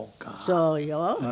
そうよ。